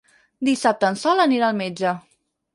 Dissabte en Sol anirà al metge.